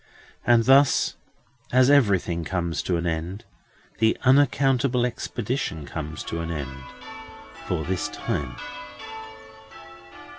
And thus, as everything comes to an end, the unaccountable expedition comes to an end—for the time.